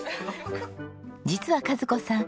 実は和子さん